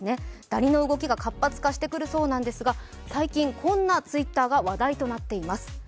ダニの動きが活発化してくるそうなんですが最近、こんなＴｗｉｔｔｅｒが話題となっています。